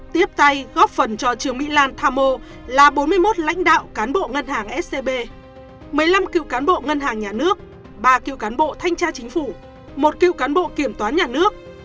tiếp tay góp phần cho trương mỹ lan tham mô là bốn mươi một lãnh đạo cán bộ ngân hàng scb một mươi năm cựu cán bộ ngân hàng nhà nước ba cựu cán bộ thanh tra chính phủ một cựu cán bộ kiểm toán nhà nước